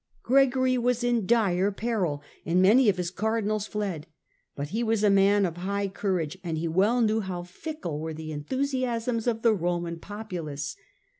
Gregory was in dire peril and many of his Cardinals fled. But he was a man of high courage, and he well knew how fickle were the enthusiasms of the Roman populace.